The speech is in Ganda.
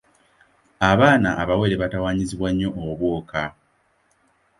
Abaana abawere batawaanyizibwa nnyo obwoka.